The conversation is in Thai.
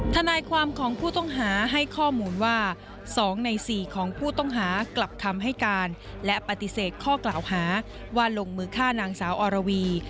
ทนายความของผู้ต้องหาให้ข้อมูลว่า๒ใน๔ของผู้ต้องหากลับคำให้การและปฏิเสธข้อกล่าวหาว่าลงมือฆ่านางสาวอรวี